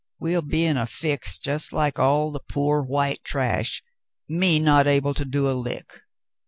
We'll be in a fix just like all the poor white trash, me not able to do a lick."